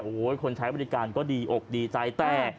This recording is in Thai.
โอ้โหคนใช้บริการก็ดีอกดีใจแต่